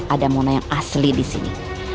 ada mona yang asli disini